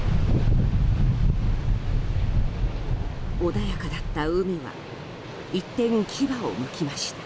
穏やかだった海は一転、牙をむきました。